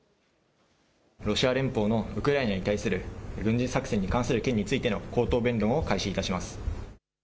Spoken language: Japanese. ロシア連邦のウクライナに対する軍事作戦についての口頭弁論を開始いたします。